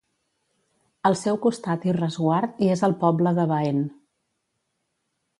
Al seu costat i resguard hi és el poble de Baén.